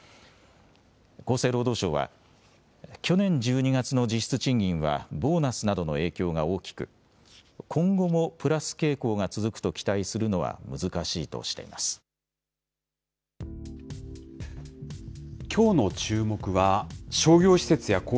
厚生労働省は、去年１２月の実質賃金はボーナスなどの影響が大きく、今後もプラス傾向が続くと期待するのは難しいとしています。